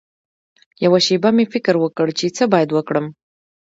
یوه شېبه مې فکر وکړ چې څه باید وکړم.